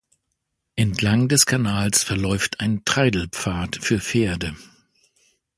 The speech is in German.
Entlang des Kanals verläuft ein Treidelpfad für Pferde.